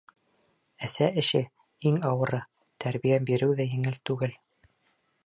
— Әсә эше — иң ауыры, тәрбиә биреү ҙә еңел түгел.